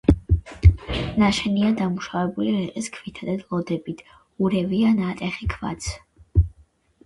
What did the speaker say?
ნაშენია დამუშავებული რიყის ქვითა და ლოდებით, ურევია ნატეხი ქვაც.